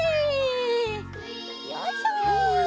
よいしょ。